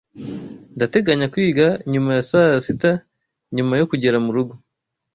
Ndateganya kwiga nyuma ya saa sita nyuma yo kugera murugo.